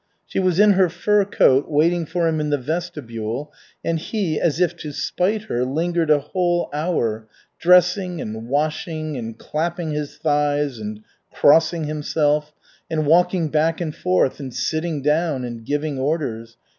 She was in her fur coat waiting for him in the vestibule, and he, as if to spite her, lingered a whole hour, dressing and washing and clapping his thighs and crossing himself, and walking back and forth, and sitting down, and giving orders.